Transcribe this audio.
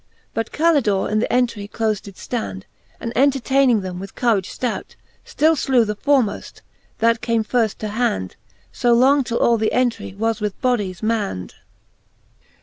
But Calidore in th' entry clofe did ftand, And entertayning them with courage ftout, , Still flew the formoft, that came firfl: to hand,, So long till all the entry was with bodies mand.